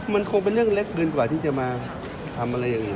มันคงเป็นเรื่องเล็กเกินกว่าที่จะมาทำอะไรอย่างนี้